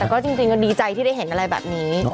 แต่ก็จริงก็ดีใจที่ได้เห็นอะไรแบบนี้